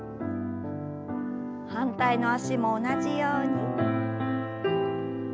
反対の脚も同じように。